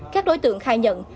các đối tượng khai nhận